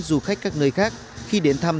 du khách các nơi khác khi đến thăm